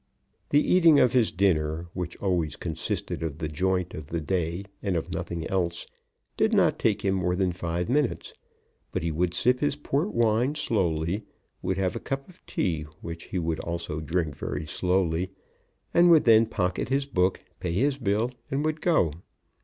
The eating of his dinner, which always consisted of the joint of the day and of nothing else, did not take him more than five minutes; but he would sip his port wine slowly, would have a cup of tea which he would also drink very slowly, and would then pocket his book, pay his bill, and would go.